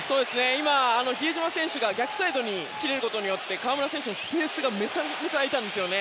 今、比江島選手が逆サイドに切れることによって河村選手のスペースがめちゃめちゃ空いたんですね。